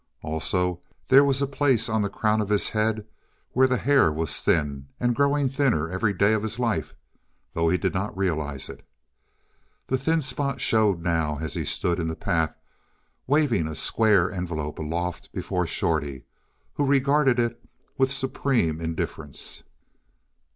Also, there was a place on the crown of his head where the hair was thin, and growing thinner every day of his life, though he did not realize it. The thin spot showed now as he stood in the path, waving a square envelope aloft before Shorty, who regarded it with supreme indifference.